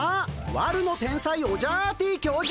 悪の天才オジャアーティ教授！